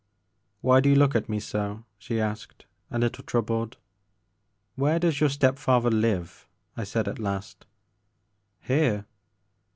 '* Why do you look at me so ?" she asked, a little troubled. Where does your step father live ?" I said at last. Here."